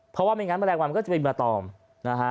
เพราะว่าไม่งั้นแมลงวันมันก็จะเป็นมาตอมนะฮะ